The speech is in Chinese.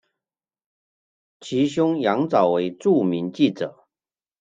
其兄羊枣为著名记者。